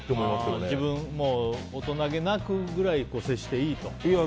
自分も大人げなくくらい接していいと。